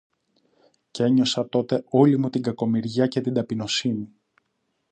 Κι ένιωσα τότε όλη μου την κακομοιριά και την ταπεινοσύνη